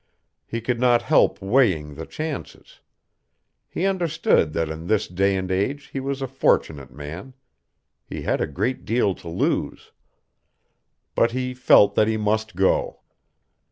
He could not help weighing the chances. He understood that in this day and age he was a fortunate man. He had a great deal to lose. But he felt that he must go.